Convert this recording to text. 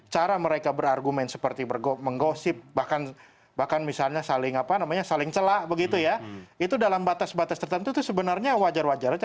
cara mereka berargumen seperti menggosip bahkan misalnya saling apa namanya saling celak begitu ya itu dalam batas batas tertentu itu sebenarnya wajar wajar saja